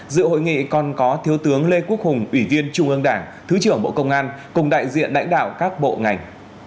dự hội nghị còn có thiếu tướng lê quốc hùng ủy viên trung ương đảng thứ trưởng bộ công an cùng đại diện lãnh đạo các bộ ngành